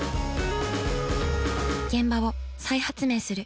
現場を再発明する。